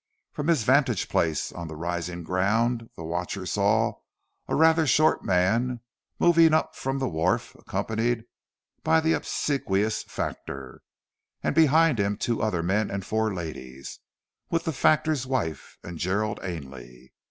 From his vantage place on the rising ground the watcher saw a rather short man moving up from the wharf accompanied by the obsequious factor, and behind him two other men and four ladies, with the factor's wife and Gerald Ainley.